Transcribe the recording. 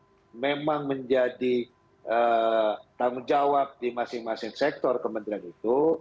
karena program program yang memang menjadi tanggung jawab di masing masing sektor kementerian itu